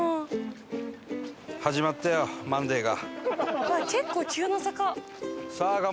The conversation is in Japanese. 始まったよ『マンデー』が。